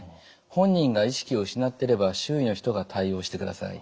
本人が意識を失ってれば周囲の人が対応してください。